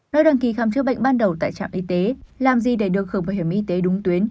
nơi đăng ký khám chữa bệnh ban đầu tại trạm y tế làm gì để được khởm bảo hiểm y tế đúng tuyến